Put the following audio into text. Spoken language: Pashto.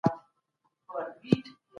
چارواکو به رسمي غونډي سمبالولې.